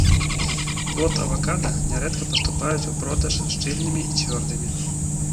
Плод авакада нярэдка паступаюць у продаж шчыльнымі і цвёрдымі.